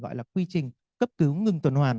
gọi là quy trình cấp cứu ngừng tuần hoàn